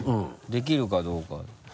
できるかどうか。